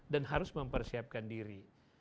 dan harus mempersiapkan diri